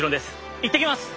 行ってきます。